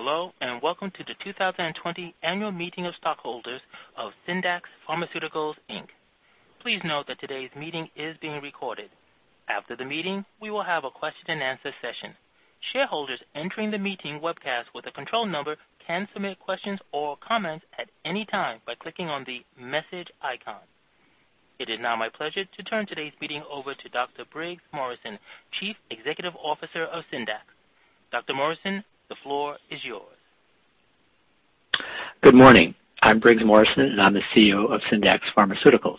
Hello, and welcome to the 2020 annual meeting of stockholders of Syndax Pharmaceuticals, Inc.. Please note that today's meeting is being recorded. After the meeting, we will have a question and answer session. Shareholders entering the meeting webcast with a control number can submit questions or comments at any time by clicking on the message icon. It is now my pleasure to turn today's meeting over to Dr. Briggs Morrison, Chief Executive Officer of Syndax. Dr. Morrison, the floor is yours. Good morning. I'm Briggs Morrison, and I'm the CEO of Syndax Pharmaceuticals.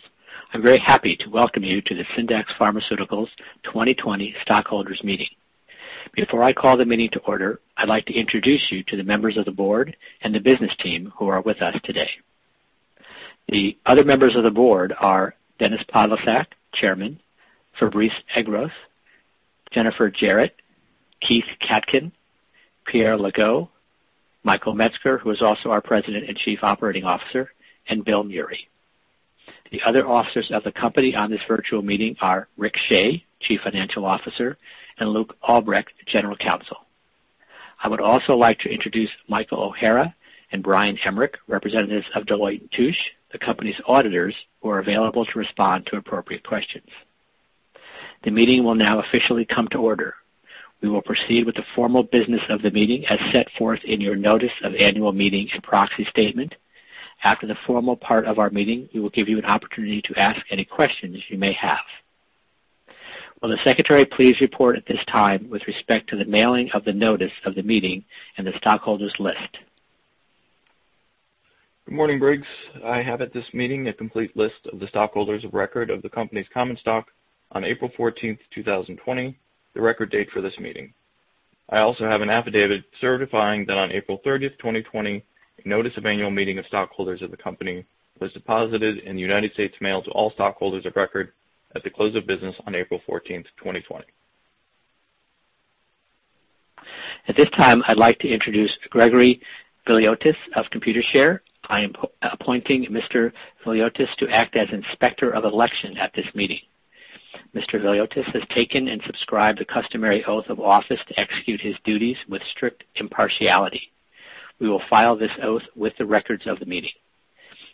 I'm very happy to welcome you to the Syndax Pharmaceuticals 2020 stockholders meeting. Before I call the meeting to order, I'd like to introduce you to the members of the board and the business team who are with us today. The other members of the board are Dennis Podlesak, Chairman, Fabrice Egros, Jennifer Jarrett, Keith Katkin, Pierre Legault, Michael Metzger, who is also our President and Chief Operating Officer, and Bill Meury. The other officers of the company on this virtual meeting are Rick Shea, Chief Financial Officer, and Luke Albrecht, General Counsel. I would also like to introduce Michael O'Hara and Brian Hemric, representatives of Deloitte & Touche, the company's auditors, who are available to respond to appropriate questions. The meeting will now officially come to order. We will proceed with the formal business of the meeting as set forth in your notice of annual meeting and proxy statement. After the formal part of our meeting, we will give you an opportunity to ask any questions you may have. Will the secretary please report at this time with respect to the mailing of the notice of the meeting and the stockholders list? Good morning, Briggs. I have at this meeting a complete list of the stockholders of record of the company's common stock on April 14th, 2020, the record date for this meeting. I also have an affidavit certifying that on April 30th, 2020, a notice of annual meeting of stockholders of the company was deposited in the U.S. Mail to all stockholders of record at the close of business on April 14th, 2020. At this time, I'd like to introduce Gregory Veliotis of Computershare. I am appointing Mr. Veliotis to act as Inspector of Election at this meeting. Mr. Veliotis has taken and subscribed the customary oath of office to execute his duties with strict impartiality. We will file this oath with the records of the meeting.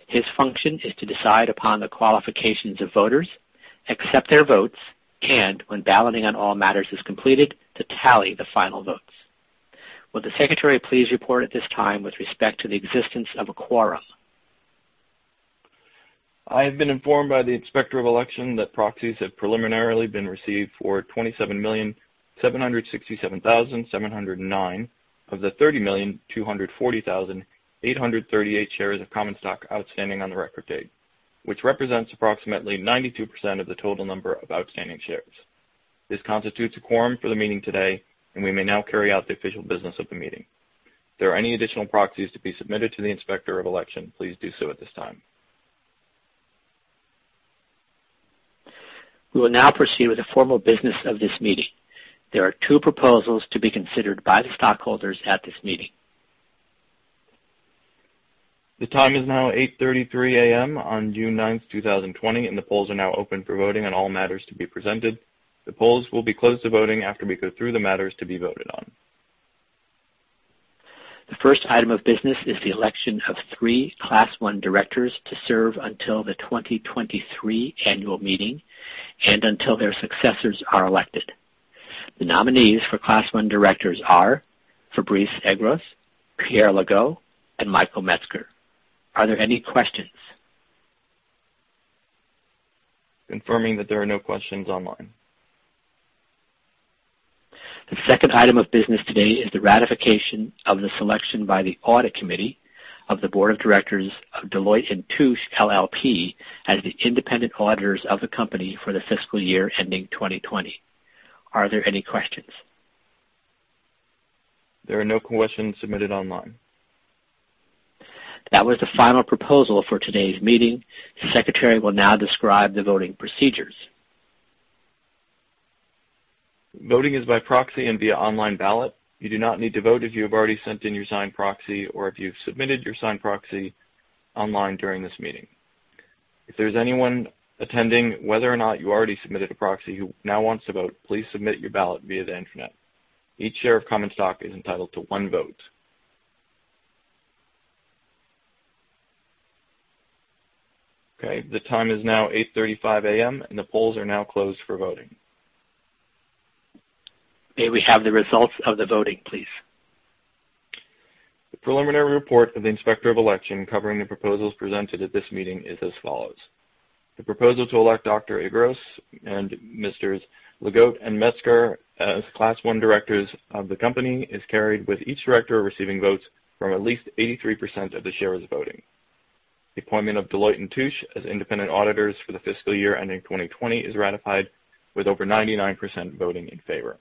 His function is to decide upon the qualifications of voters, accept their votes, and when balloting on all matters is completed, to tally the final votes. Will the Secretary please report at this time with respect to the existence of a quorum? I have been informed by the Inspector of Election that proxies have preliminarily been received for 27,767,709 of the 30,240,838 shares of common stock outstanding on the record date, which represents approximately 92% of the total number of outstanding shares. This constitutes a quorum for the meeting today, and we may now carry out the official business of the meeting. If there are any additional proxies to be submitted to the Inspector of Election, please do so at this time. We will now proceed with the formal business of this meeting. There are two proposals to be considered by the stockholders at this meeting. The time is now 8:33 A.M. on June 9th, 2020, and the polls are now open for voting on all matters to be presented. The polls will be closed to voting after we go through the matters to be voted on. The first item of business is the election of three Class One directors to serve until the 2023 annual meeting and until their successors are elected. The nominees for Class One directors are Fabrice Egros, Pierre Legault, and Michael Metzger. Are there any questions? Confirming that there are no questions online. The second item of business today is the ratification of the selection by the Audit Committee of the Board of Directors of Deloitte & Touche LLP as the independent auditors of the company for the fiscal year ending 2020. Are there any questions? There are no questions submitted online. That was the final proposal for today's meeting. The Secretary will now describe the voting procedures. Voting is by proxy and via online ballot. You do not need to vote if you have already sent in your signed proxy or if you've submitted your signed proxy online during this meeting. If there's anyone attending, whether or not you already submitted a proxy who now wants to vote, please submit your ballot via the internet. Each share of common stock is entitled to one vote. Okay. The time is now 8:35 A.M., and the polls are now closed for voting. May we have the results of the voting, please? The preliminary report of the Inspector of Election covering the proposals presented at this meeting is as follows. The proposal to elect Dr. Egros and Mrs. Legault and Metzger as Class 1 directors of the company is carried, with each director receiving votes from at least 83% of the shares voting. The appointment of Deloitte & Touche as independent auditors for the fiscal year ending 2020 is ratified with over 99% voting in favor.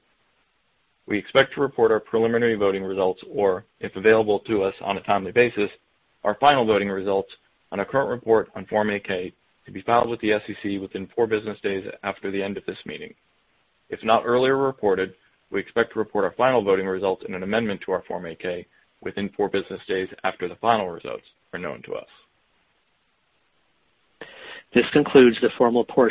We expect to report our preliminary voting results, or if available to us on a timely basis, our final voting results on a current report on Form 8-K to be filed with the SEC within four business days after the end of this meeting. If not earlier reported, we expect to report our final voting results in an amendment to our Form 8-K within four business days after the final results are known to us. This concludes the formal portion.